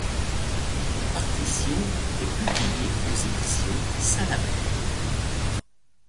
La partition est publiée aux éditions Salabert.